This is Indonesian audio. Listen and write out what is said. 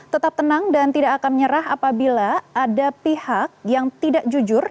tetap tenang dan tidak akan menyerah apabila ada pihak yang tidak jujur